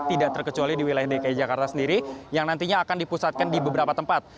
tidak terkecuali di wilayah dki jakarta sendiri yang nantinya akan dipusatkan di beberapa tempat